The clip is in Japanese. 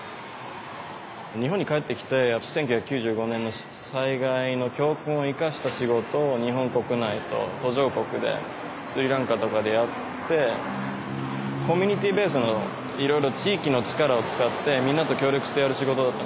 日本に帰ってきて１９９５年の災害の教訓を生かした仕事を日本国内と途上国でスリランカとかでやってコミュニティーベースのいろいろ地域の力を使ってみんなと協力してやる仕事だった。